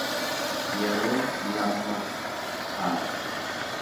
yeroo lammaf faaf .